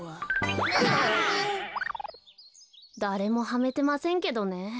だれもハメてませんけどね。